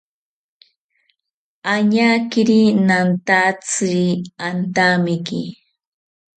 Añakiri nantatziri antamiki